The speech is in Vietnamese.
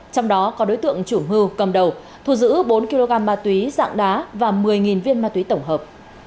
trong đó có đối tượng chủ mưu cầm đầu thu giữ bốn kg ma túy dạng đá và một mươi viên ma túy tổng hợp